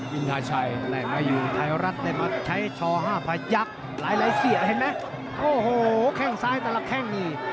ยิงไทยรัฐได้มาใช้ช่อ๕ภายักษ์หลายเสียเห็นมั้ยโอ้โหแค่งซ้ายแต่ละแค่งนี่